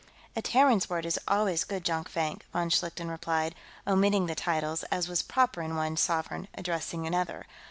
"A Terran's word is always good, Jonkvank," von Schlichten replied, omitting the titles, as was proper in one sovereign addressing another.